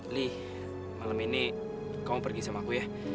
nih malam ini kamu pergi sama aku ya